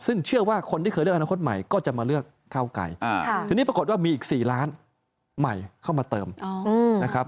ซึ่งเชื่อว่าคนที่เคยเลือกอนาคตใหม่ก็จะมาเลือกเก้าไกรทีนี้ปรากฏว่ามีอีก๔ล้านใหม่เข้ามาเติมนะครับ